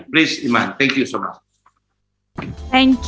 tolong iman terima kasih banyak banyak